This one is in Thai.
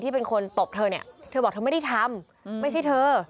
เป็นคนตบเธอเนี่ยเธอบอกเธอไม่ได้ทำไม่ใช่เธอ